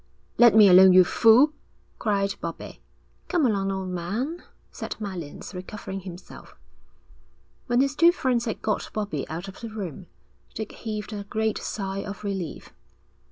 'Let me alone, you fool!' cried Bobbie. 'Come along, old man,' said Mallins, recovering himself. When his two friends had got Bobbie out of the room, Dick heaved a great sigh of relief.